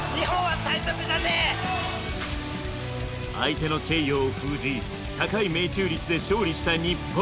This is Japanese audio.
相手のチェイヨーを封じ高い命中率で勝利した日本。